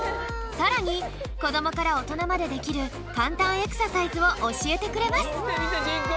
さらにこどもからおとなまでできるかんたんエクササイズをおしえてくれます。